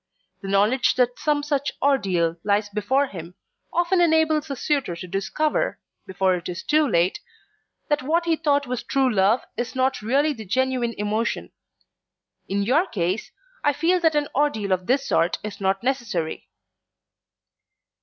The knowledge that some such ordeal lies before him often enables a suitor to discover, before it is too late, that what he thought was true love is not really the genuine emotion. In your case I feel that an ordeal of this sort is not necessary."